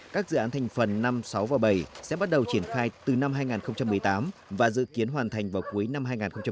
các dự án thành phần năm sáu và bảy sẽ bắt đầu triển khai từ năm hai nghìn một mươi tám và dự kiến hoàn thành vào cuối năm hai nghìn hai mươi